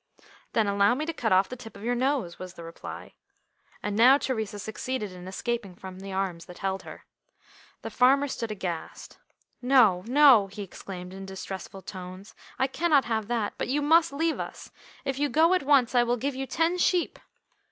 "Then allow me to cut off the tip of your nose," was the reply, and now Theresa succeeded in escaping from the arms that held her. The farmer stood aghast. "No, no," he exclaimed in distressful tones, "I cannot have that, but you must leave us. If you go at once I will give you ten sheep."